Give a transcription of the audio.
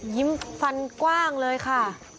ยิ้มฟันกว้างเลยค่ะ